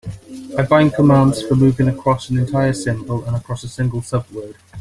I bind commands for moving across an entire symbol and across a single subword.